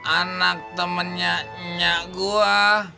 anak temennya nyak gue